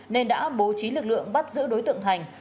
nên đã bố trí lực lượng bắt giữ đối tượng thành